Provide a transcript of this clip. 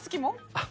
あっ。